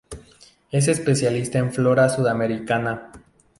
Es especialista en flora sudamericana.